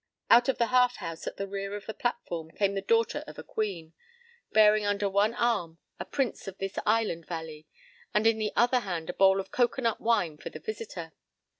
—" Out of the half house at the rear of the platform came the daughter of a queen, bearing under one arm a prince of this island valley, and in the other hand a bowl of coconut wine for the visitor.